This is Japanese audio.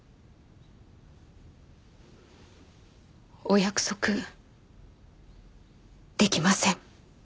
お約束できません。